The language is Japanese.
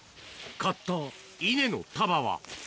刈った稲の束は。